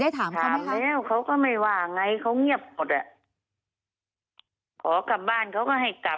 ได้ถามเขาไหมค่ะ